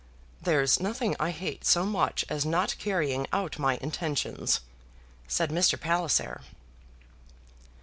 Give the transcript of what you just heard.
"There's nothing I hate so much as not carrying out my intentions," said Mr. Palliser.